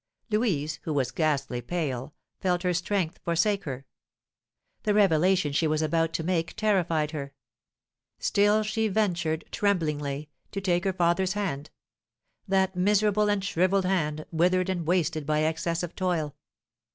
Louise, who was ghastly pale, felt her strength forsake her. The revelation she was about to make terrified her. Still she ventured, tremblingly, to take her father's hand, that miserable and shrivelled hand, withered and wasted by excess of toil.